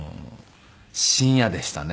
深夜でしたね。